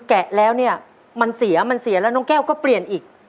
กะแล้วมันเสียและน้องแก้วก็เปลี่ยนอีก